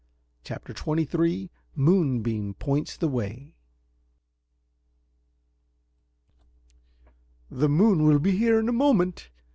CHAPTER XXIII MOONBEAM POINTS THE WAY "The moon will be here in a moment."